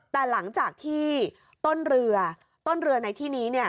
แต่หลังจากที่ต้นเรือต้นเรือในที่นี้